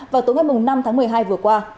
vào tối ngày năm tháng một mươi hai vừa qua